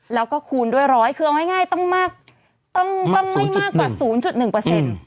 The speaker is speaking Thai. แล้วก็คูณด้วยร้อยคือเอาง่ายต้องไม่มากกว่า๐๑